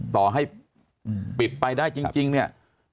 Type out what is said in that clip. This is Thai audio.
ต่อให้ปิดไปได้จริงเนี่ย